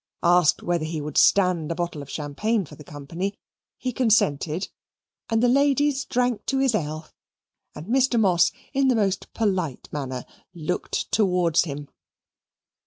Asked whether he would "stand" a bottle of champagne for the company, he consented, and the ladies drank to his 'ealth, and Mr. Moss, in the most polite manner, "looked towards him."